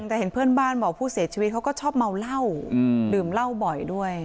แต่เห็นเพื่อนบ้านบอกผู้เสียชีวิตเขาก็ชอบเมาเหล้าดื่มเหล้าบ่อยด้วย